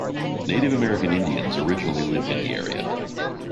Native American Indians originally lived in the area.